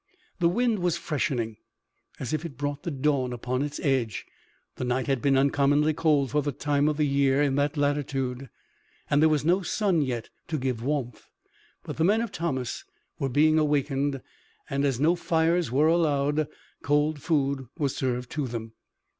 The wind was freshening, as if it brought the dawn upon its edge. The night had been uncommonly cold for the time of the year in that latitude, and there was no sun yet to give warmth. But the men of Thomas were being awakened, and, as no fires were allowed, cold food was served to them.